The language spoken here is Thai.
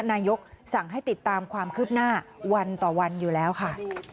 นายกสั่งให้ติดตามความคืบหน้าวันต่อวันอยู่แล้วค่ะ